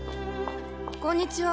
こんにちは。